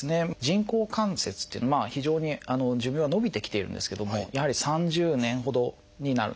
人工関節っていうのは非常に寿命は延びてきているんですけどもやはり３０年ほどになるんですね。